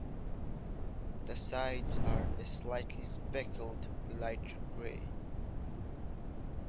The sides are a slightly speckled, lighter grey.